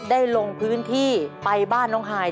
ลงพื้นที่ไปบ้านน้องฮาย